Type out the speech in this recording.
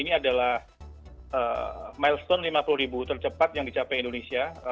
ini adalah milestone lima puluh ribu tercepat yang dicapai indonesia